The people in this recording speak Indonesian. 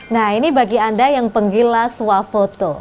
nah ini bagi anda yang penggilah suafoto